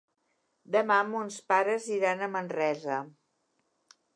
Demà mons pares iran a Manresa.